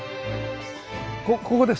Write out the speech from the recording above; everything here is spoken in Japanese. ここです。